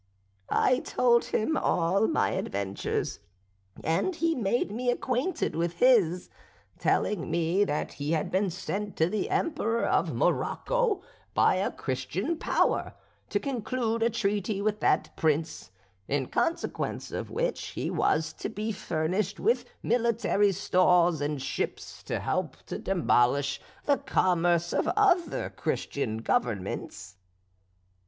"I told him all my adventures, and he made me acquainted with his; telling me that he had been sent to the Emperor of Morocco by a Christian power, to conclude a treaty with that prince, in consequence of which he was to be furnished with military stores and ships to help to demolish the commerce of other Christian Governments.